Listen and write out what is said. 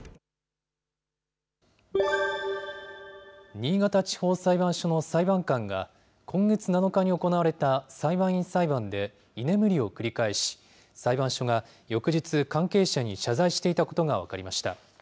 新潟地方裁判所の裁判官が、今月７日に行われた裁判員裁判で居眠りを繰り返し、裁判所が、翌日、関係者に謝罪していたことが分かりました。